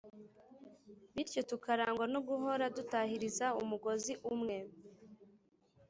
bityo tukarangwa no guhora dutahiriza umugozi umwe.